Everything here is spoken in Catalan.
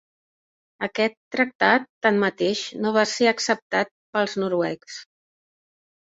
Aquest tractat, tanmateix, no va ser acceptat pels noruecs.